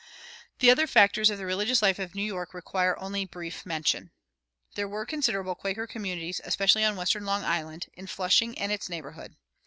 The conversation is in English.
The other factors of the religious life of New York require only brief mention. There were considerable Quaker communities, especially on western Long Island, in Flushing and its neighborhood.